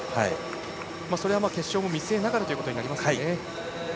それは決勝も見据えながらということにはい。